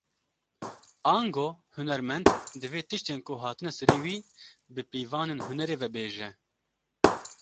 Ango hunermend, divê tiştên ku hatine serî wî, bi pîvanên hunerê vebêje